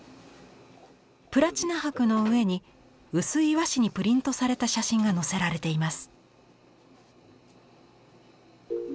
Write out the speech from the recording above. プラチナ箔の上に薄い和紙にプリントされた写真がのせられています。